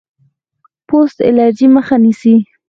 پوست الرجي مخه نیسي.